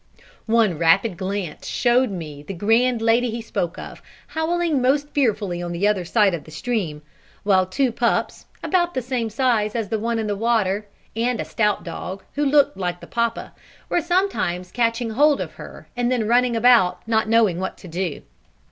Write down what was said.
One rapid glance showed me the grand lady he spoke of, howling most fearfully on the other side of the stream, while two pups, about the same size as the one in the water, and a stout dog, who looked like the papa, were sometimes catching hold of her and then running about, not knowing what to do.